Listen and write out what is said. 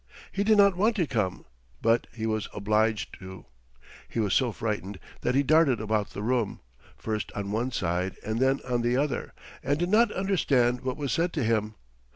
He did not want to come, but he was obliged to. He was so frightened that he darted about the room, first on one side and then on the other, and did not understand what was said to him.